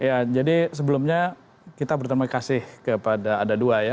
ya jadi sebelumnya kita berterima kasih kepada ada dua ya